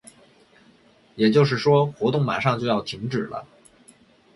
也就是说，活动马上就要停止了。